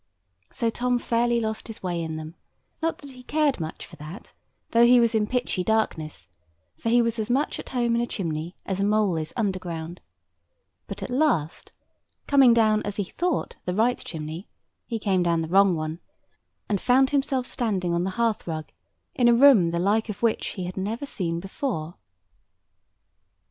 So Tom fairly lost his way in them; not that he cared much for that, though he was in pitchy darkness, for he was as much at home in a chimney as a mole is underground; but at last, coming down as he thought the right chimney, he came down the wrong one, and found himself standing on the hearthrug in a room the like of which he had never seen before.